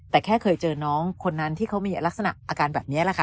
แต่แค่เคยเจอน้องคนนั้นที่เขามีลักษณะอาการแบบนี้แหละค่ะ